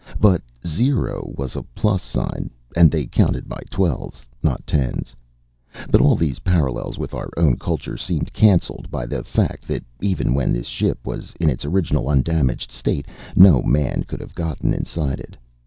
But zero was a plus sign. And they counted by twelves, not tens. But all these parallels with our own culture seemed canceled by the fact that, even when this ship was in its original undamaged state, no man could have gotten inside it.